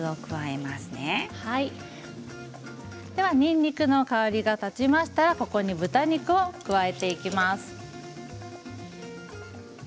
にんにくの香りが立ちましたら豚肉を加えていきます。